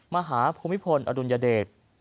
มหาภูมิพลอดุลยเดช